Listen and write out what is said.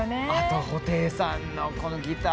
布袋さんのギター